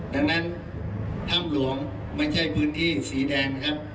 ดังนั้นถ้ำหลวงไม่ใช่พื้นที่สีแดงนะครับ